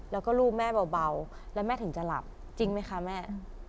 แล้วก็ลูกแม่เบาแล้วแม่ถึงจะหลับจริงไหมคะแม่